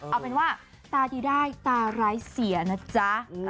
เอาเป็นว่าตาดีได้ตาร้ายเสียนะจ๊ะ